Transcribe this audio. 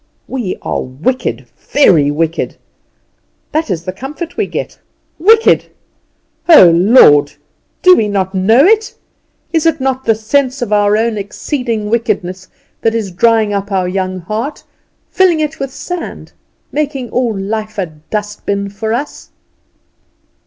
We are wicked, very wicked. That is the comfort we get. Wicked! Oh, Lord! do we not know it? Is it not the sense of our own exceeding wickedness that is drying up our young heart, filling it with sand, making all life a dust bin for us?